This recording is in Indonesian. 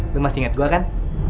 lo masih ingat gue kan